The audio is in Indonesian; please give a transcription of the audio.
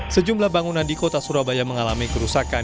sejumlah bangunan di kota surabaya mengalami kerusakan